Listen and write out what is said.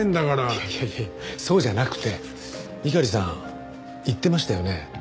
いやいやいやそうじゃなくて猪狩さん言ってましたよね。